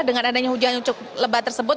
dengan adanya hujan yang cukup lebat tersebut